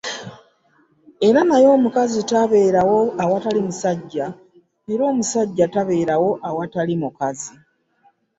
Era naye omukazi tabeerawo awatali musajja, era omusajja tabeerawo awatali mukazi.